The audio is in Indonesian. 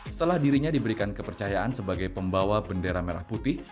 setelah dirinya diberikan kepercayaan sebagai pembawa bendera merah putih